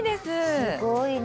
すごいね。